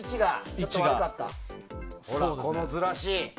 ほら、このずらし！